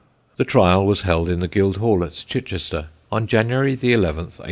The trial was held in the Guildhall at Chichester, on January 11th, 1804.